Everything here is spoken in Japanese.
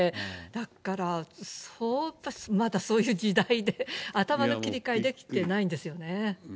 だから、まだそういう時代で、頭の切り替えできてないんですよね。